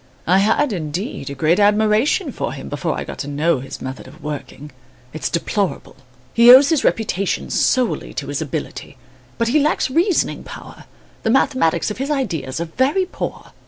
I had, indeed, a great admiration for him, before I got to know his method of working. It's deplorable. He owes his reputation solely to his ability; but he lacks reasoning power, the mathematics of his ideas are very poor."